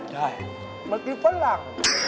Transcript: ได้มันกินฝั่งหลัง